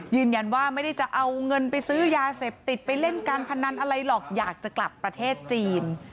ยืนยันว่าไม่ได้จะเอาเงินไปซื้อยาเสพติดไปเล่นการพนันอะไรหรอกอยากจะกลับประเทศจีน